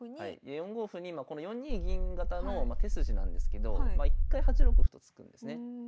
４五歩に今この４二銀型の手筋なんですけど一回８六歩と突くんですね。